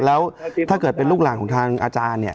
แล้วถ้าเกิดเป็นลูกหลานของทางอาจารย์เนี่ย